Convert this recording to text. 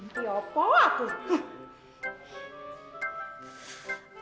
menipi apa lah tuh